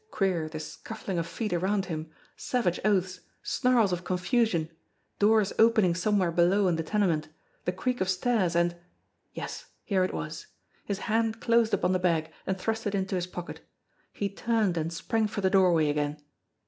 Queer, this scuffling of feet around him ; savage oaths ; snarls of confu sion ; doors opening somewhere below in the tenement ; the creak of stairs, and Yes, here it was! His hand closed upon the bag and thrust it into his pocket. He turned and sprang for the doorway again.